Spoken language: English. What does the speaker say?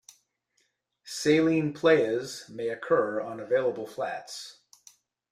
Saline playas may occur on available flats.